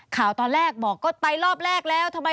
ข่าวตอนแรกบอกก็ไปรอบแรกแล้วทำไม